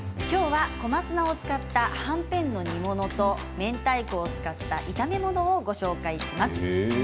きょうは小松菜を使ったはんぺんの煮物とめんたいこを使った炒め物をご紹介します。